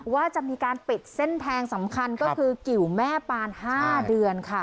ว่าจะมีการปิดเส้นทางสำคัญก็คือกิวแม่ปาน๕เดือนค่ะ